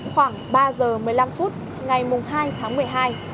hãy đăng ký kênh để nhận thông tin nhất